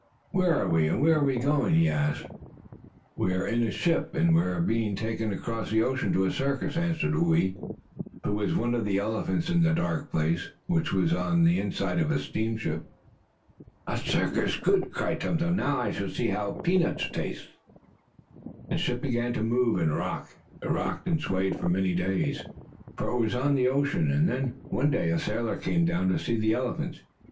"Where are we, and where are we going?" he asked. "We are in a ship, and we are being taken across the ocean to a circus," answered Whoo ee, who was one of the elephants in the dark place, which was the inside of a steamship. "A circus! Good!" cried Tum Tum. "Now I shall know how a peanut tastes." The ship began to move and rock. It rocked and swayed for many days, for it was on the ocean. And then, one day, a sailor came down to see the elephants.